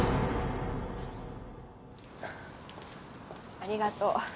ありがとう。